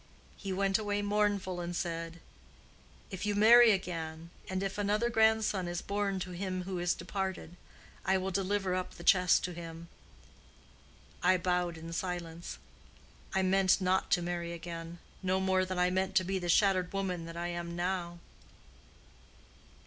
He went away mournful, and said, 'If you marry again, and if another grandson is born to him who is departed, I will deliver up the chest to him.' I bowed in silence. I meant not to marry again—no more than I meant to be the shattered woman that I am now."